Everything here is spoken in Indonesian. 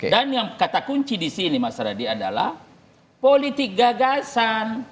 dan yang kata kunci di sini mas raditya adalah politik gagasan